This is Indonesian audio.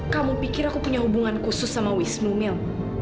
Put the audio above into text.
kamu pikir aku punya hubungan khusus sama wisnu mil